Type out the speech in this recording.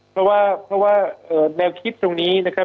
เพราะว่าเพราะว่าแนวคิดตรงนี้นะครับ